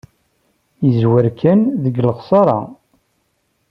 Yeẓwer kan deg lexṣara.